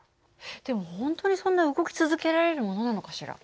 でも本当にそんな動き続けられるものなのかしら。